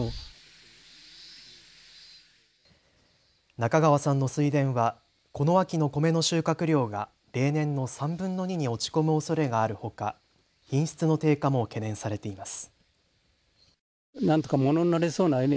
中川さんの水田はこの秋の米の収穫量が例年の３分の２に落ち込むおそれがあるほか品質の低下も懸念されています。